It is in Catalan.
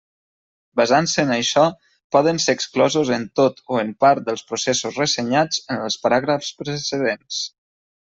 Basant-se en això, poden ser exclosos en tot o en part dels processos ressenyats en els paràgrafs precedents.